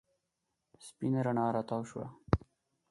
سپېنه رڼا راتاو شوه.